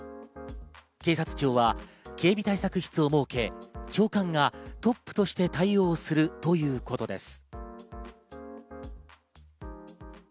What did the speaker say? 警察庁は警備対策室を設け、長官がトップとして対応するということです。